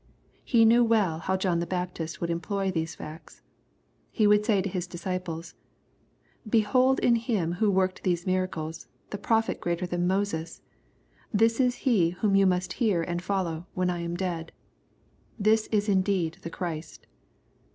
He knew well how John the Baptist would employ these facts. He would say to his disciples, " Behold in him who worked these miracles, the prophet greater than Moses. — This is he whom you must hear and follow, when I am dead. — This is indeed the Christ.''